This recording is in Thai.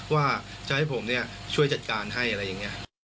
ว่าจะให้ผมช่วยจัดการให้อะไรอย่างนี้